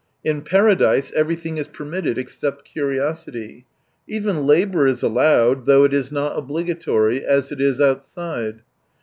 In Paradise everything is permitted, except curiosity. Even labour is allowed, though it is not obligatory, as it is outside.